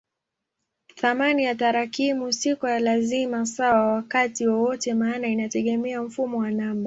Thamani ya tarakimu si kwa lazima sawa wakati wowote maana inategemea mfumo wa namba.